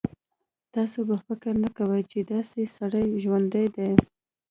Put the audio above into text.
تاسو به فکر نه کوئ چې داسې سړی ژوندی دی.